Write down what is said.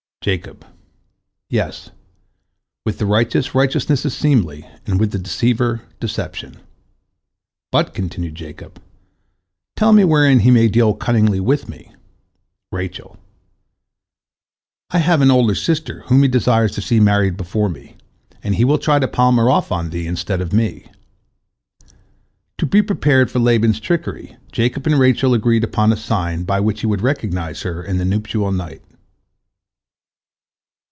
Jacob: "Yes, 'with the righteous righteousness is seemly, and with the deceiver deception.' But," continued Jacob, "tell me wherein he may deal cunningly with me." Rachel: "I have an older sister, whom he desires to see married before me, and he will try to palm her off on thee instead of me." To be prepared for Laban's trickery, Jacob and Rachel agreed upon a sign by which he would recognize her in the nuptial night.